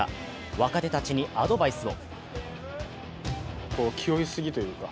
若手たちにアドバイスを。